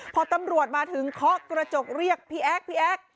พอตำรวจมาถึงเคาะกระจกเรียกพี่แอ๊กพี่แอ๊ก